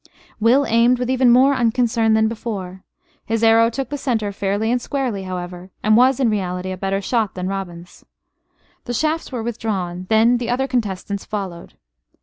Will aimed with even more unconcern than before. His arrow took the center fairly and squarely, however; and was in reality a better shot than Robin's. The shafts were withdrawn; then the other contestants followed.